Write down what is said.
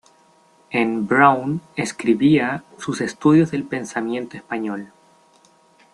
En Brown escribiría sus estudios del pensamiento español.